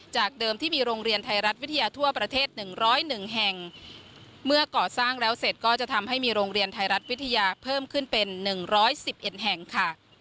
จากเดิมที่มีโรงเรียนไทยรัฐวิทยาทั่วประเทศหนึ่งร้อยหนึ่งแห่งเมื่อก่อสร้างแล้วเสร็จก็จะทำให้มีโรงเรียนไทยรัฐวิทยาเพิ่มขึ้นเป็นหนึ่งร้อยสิบเอ็ดแห่งค่ะ